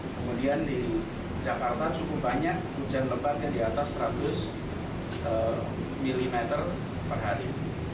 kemudian di jakarta cukup banyak hujan lebat yang di atas seratus mm per hari